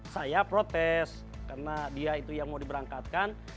saya protes karena dia itu yang mau diberangkatkan